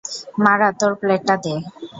মারা, তোর প্লেটটা দে।